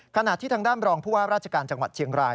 ขณะที่ทางด้านรองผู้ว่าราชการจังหวัดเชียงราย